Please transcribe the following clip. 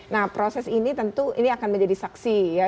nah proses ini tentu ini akan menjadi saksi ya